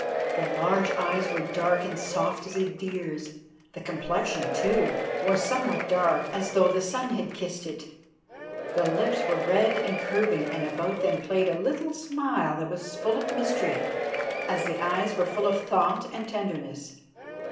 The large eyes were dark and soft as a deer's. The complexion, too, was somewhat dark, as though the sun had kissed it. The lips were red and curving, and about them played a little smile that was full of mystery as the eyes were full of thought and tenderness.